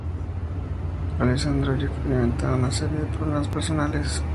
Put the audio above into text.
Alessandro habría experimentado una serie de problemas personales.